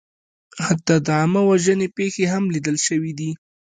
حتی د عامهوژنې پېښې هم لیدل شوې دي.